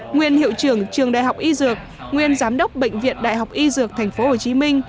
nguyên hiệu trưởng trường đại học y dược nguyên giám đốc bệnh viện đại học y dược tp hcm